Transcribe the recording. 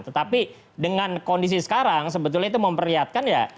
tetapi dengan kondisi sekarang sebetulnya itu memperlihatkan ya